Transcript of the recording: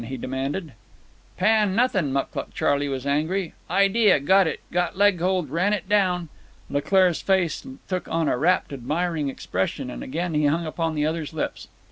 he demanded. "Pan nothin'!" Mucluc Charley was angry. "Idea—got it—got leg hold—ran it down." Leclaire's face took on a rapt, admiring expression, and again he hung upon the other's lips.